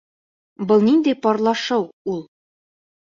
Был ниндәй парлашыу ул?